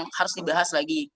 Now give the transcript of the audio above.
yang harus dibahas lagi